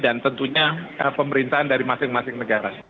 dan tentunya pemerintahan dari masing masing negara